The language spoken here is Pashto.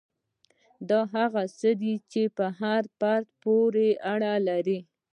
دا هغه څه دي چې پر فرد پورې اړه لري.